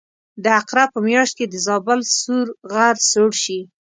د عقرب په میاشت کې د زابل سور غر سوړ شي.